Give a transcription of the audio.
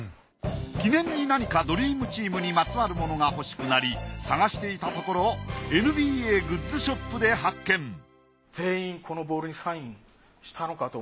記念に何かドリームチームにまつわるものが欲しくなり探していたところＮＢＡグッズショップで発見考えられなくて。